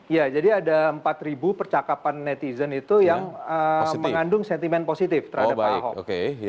ya jadi ada empat percakapan netizen itu yang mengandung sentimen positif terhadap pak ahok